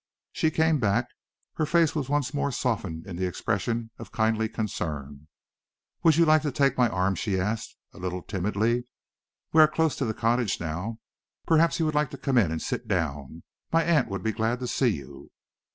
She came back. Her face was once more softened in its expression of kindly concern. "Would you like to take my arm?" she asked, a little timidly. "We are close to the cottage now. Perhaps you would like to come in and sit down. My aunt would be glad to see you."